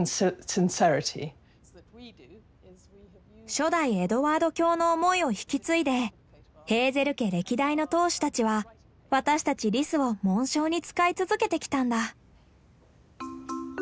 初代エドワード卿の思いを引き継いでヘーゼル家歴代の当主たちは私たちリスを紋章に使い続けてきたんだ。